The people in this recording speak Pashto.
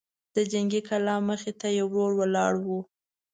د جنګي کلا مخې ته يې ورور ولاړ و.